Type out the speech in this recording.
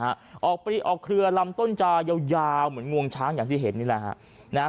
ออกปรีออกเครือลำต้นจะยาวยาวเหมือนงวงช้างอย่างที่เห็นนี่แหละฮะนะฮะ